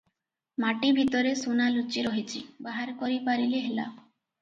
ମାଟିଭିତରେ ସୁନା ଲୁଚି ରହିଚି- ବାହାର କରି ପାରିଲେ ହେଲା ।"